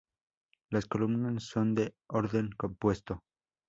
Las columnas son de orden compuesto.